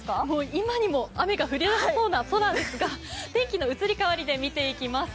今にも降り出しそうな空ですが、天気の移り変わりで見ていきます。